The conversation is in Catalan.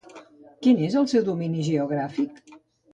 Quin és el seu domini geogràfic?